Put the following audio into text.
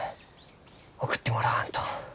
送ってもらわんと。